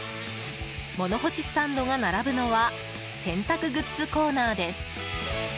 物干しスタンドが並ぶのは洗濯グッズコーナーです。